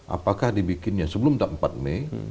apakah dibikinnya sebelum empat mei